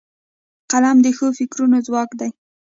قلم د ښو فکرونو ځواک دی